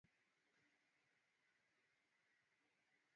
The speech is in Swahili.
kamili usiku mjini Brussels ambayo ndio makao makuu